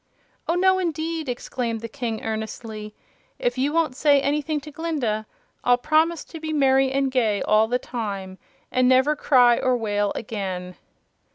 "Oh, no indeed!" exclaimed the King, earnestly. "If you won't say anything to Glinda I'll promise to be merry and gay all the time, and never cry or wail again."